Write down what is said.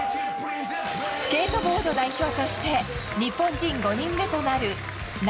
スケートボード代表として日本人５人目となる夏